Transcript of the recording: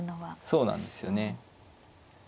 そうなんですよね。